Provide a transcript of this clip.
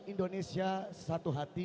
indonesia satu hati